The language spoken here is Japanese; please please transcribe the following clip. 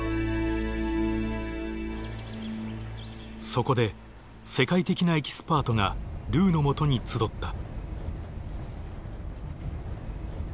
そこで世界的なエキスパートがルーのもとに集った。